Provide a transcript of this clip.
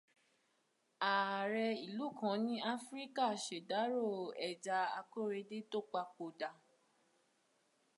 Ààrẹ ìlú kan ní Áfíríkà ṣ'èdárò Ẹja akóredé tó papòdà.